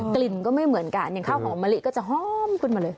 กลิ่นก็ไม่เหมือนกันอย่างข้าวหอมมะลิก็จะหอมขึ้นมาเลย